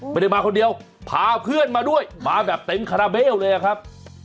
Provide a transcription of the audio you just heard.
ไม่ได้มาคนเดียวพาเพื่อนมาด้วยมาแบบเต็มคาราเบลเลยอะครับ